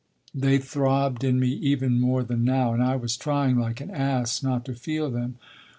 "They throbbed in me even more than now, and I was trying, like an ass, not to feel them.